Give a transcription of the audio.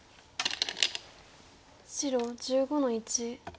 白１５の一。